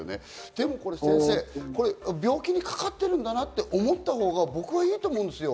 でも先生、病気にかかってるんだなと思ったほうが僕はいいと思うんですよ。